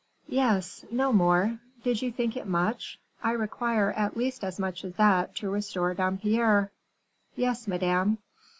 _" "Yes; no more. Do you think it much? I require at least as much as that to restore Dampierre." "Yes, madame."